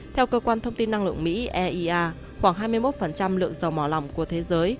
theo cơ quan thông tin năng lượng mỹ ea khoảng hai mươi một lượng dầu mỏ lòng của thế giới